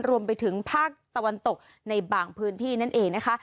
รวมไปถึงภาคตะวันตกในบางพื้นที่นั่นเองนะคะ